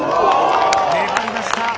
粘りました。